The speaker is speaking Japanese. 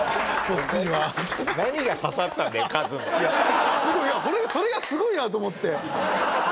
いやすごいそれがすごいなと思って。